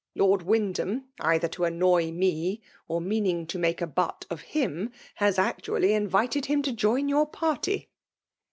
'' Lord Wyndhsm, l^ither to annoy me, or meaning to miike a butt of him, has actually invited him ta join your party."